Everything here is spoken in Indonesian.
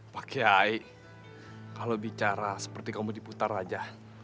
pak kiai kalau bicara seperti kamu diputar aja